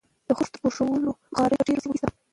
د خښتو پخولو بخارۍ په ډیرو سیمو کې شته.